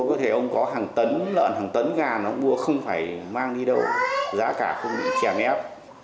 có thể ông có hàng tấn lợn hàng tấn gà nó buộc không phải mang đi đâu giá cả không bị chèn ép